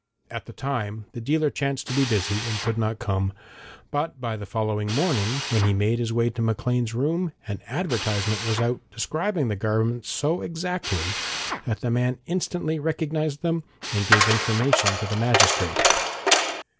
At the time, the dealer chanced to be busy and could not come, and by the following morning, when he made his way to Maclean's rooms, an advertisement was out describing the garments so exactly that the man instantly recognised them, and gave information to the magistrate.